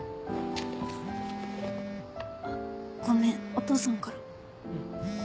あごめんお父さんから。